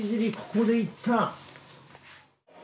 ここで行った。